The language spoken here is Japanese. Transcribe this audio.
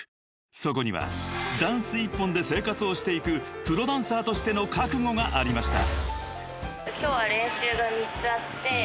［そこにはダンス一本で生活をしていくプロダンサーとしての覚悟がありました］